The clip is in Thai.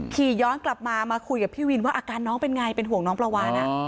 ขี่ย้อนกลับมามาคุยกับพี่วินว่าอาการน้องเป็นไงเป็นห่วงน้องปลาวาน